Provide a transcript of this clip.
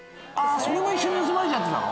それも一緒に盗まれちゃってたの？